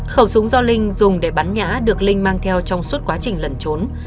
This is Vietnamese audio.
khẩu súng do linh dùng để bắn nhã được linh mang theo trong suốt quá trình lần trốn